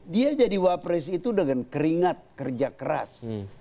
dia jadi wapres itu dengan keringat kerja keras